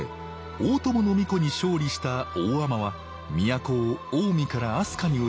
大友皇子に勝利した大海人は都を近江から飛鳥にうつし即位。